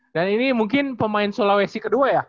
dan ini mungkin pemain sulawesi kedua ya